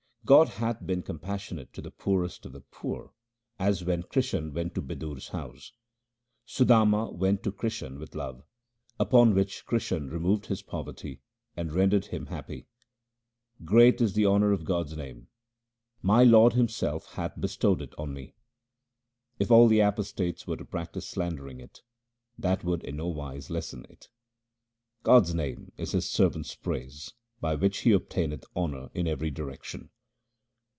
God hath been compassionate to the poorest of the poor as when Krishan went to Bidur's house. Sudama 2 went to Krishan with love, upon which Krishan removed his poverty, and rendered him happy. Great is the honour of God's name ; my Lord Himself hath bestowed it on me. If all the apostates were to practise slandering it, that would in no wise lessen it. God's name is His servant's praise by which he obtaineth honour in every direction.